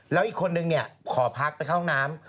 แล้วอีกคนนึงขอพักไปเข้าน้ำ